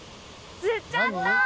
釣っちゃった！